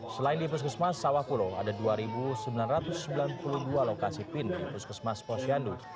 selain di puskesmas sawah kulo ada dua sembilan ratus sembilan puluh dua lokasi pin di puskesmas posyandu